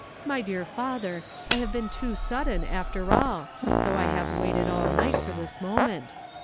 "My dear lather, 1 have been hM) sudden, alter all, though 1 have wait d all night for this moment.